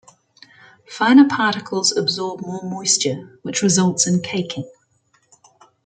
Finer particles absorb more moisture, which results in caking.